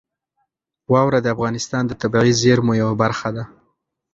واوره د افغانستان د طبیعي زیرمو یوه برخه ده.